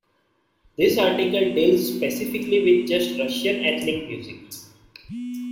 This article deals specifically with just Russian ethnic music.